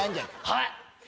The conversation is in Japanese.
はい。